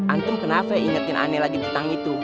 antum kenapa ingetin ana lagi tentang itu